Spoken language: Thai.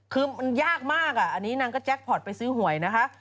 คือมันยากมากอ่ะอันนี้นางก็แจ็คพอร์ตไปซื้อหวยนะคะ